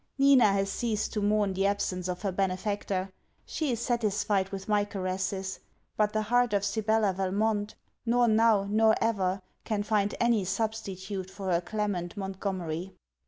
Nina has ceased to mourn the absence of her benefactor; she is satisfied with my caresses; but the heart of Sibella Valmont, nor now, nor ever, can find any substitute for her Clement Montgomery.